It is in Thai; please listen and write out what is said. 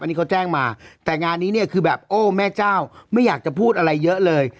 อันนี้เขาแจ้งมาแต่งานนี้เนี่ยคือแบบโอ้แม่เจ้าไม่อยากจะพูดอะไรเยอะเลย